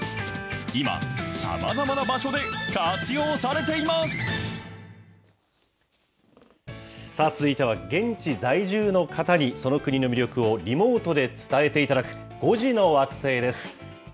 今、さまざまな場所で活用されて続いては現地在住の方に、その国の魅力をリモートで伝えていただく、５時の惑星です。